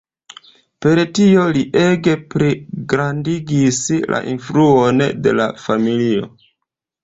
Per tio li ege pligrandigis la influon de la familio.